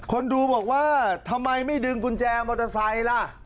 คนดูบอกว่าทำไมไม่ดึงกุญแจมอเตอร์ไซค์ล่ะ